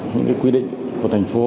những quy định của thành phố